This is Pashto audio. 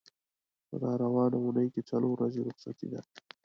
په را روانې اوونۍ کې څلور ورځې رخصتي ده.